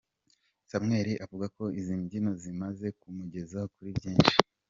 Samuel avugako izi mbyino zimaze kumugeza kuri byinshi.